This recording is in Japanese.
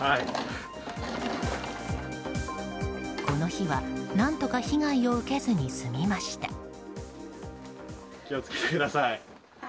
この日は何とか被害を受けずに済みました。